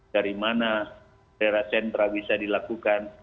dari mana daerah sentra bisa dilakukan